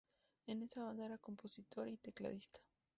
En esa banda era compositor y tecladista.